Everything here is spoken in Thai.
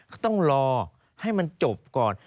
ก็ต้องรอให้มันจบก่อน